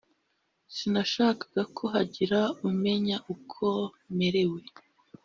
Sinashakaga ko hagira umenya uko merewe